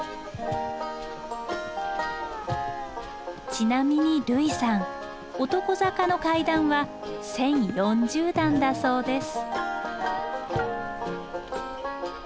ちなみに類さん男坂の階段は１，０４０段だそうです。